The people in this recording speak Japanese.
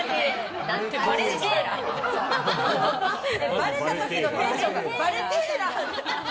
バレた時のテンションがバレてーらーって。